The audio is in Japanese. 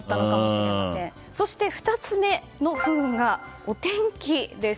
そして２つ目の不運がお天気です。